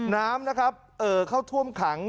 น้ำนะครับเอ่อเข้าท่วมขัง